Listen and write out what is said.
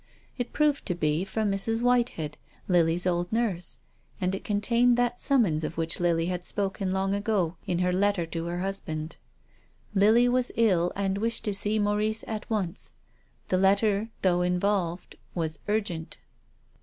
It proved to be from Mrs. Whitehead, Lily's old nurse ; and it contained that summons of which Lily had spoken long ago in her letter to her husband. Lily was ill and wished to see Maurice at once. The letter, though involved, was urgent.